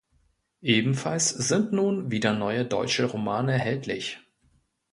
Ebenfalls sind nun wieder neue deutsche Romane erhältlich.